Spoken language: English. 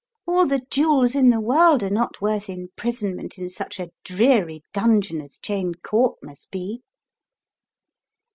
All the jewels in the world are cot worth imprisonment in such a dreary dungeon as Cheyne Court must be!"